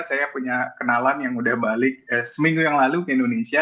saya punya kenalan yang udah balik seminggu yang lalu ke indonesia